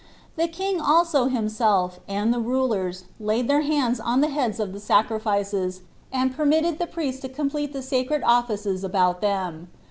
The king also himself, and the rulers, laid their hands on the heads of the sacrifices, and permitted the priests to complete the sacred offices about them.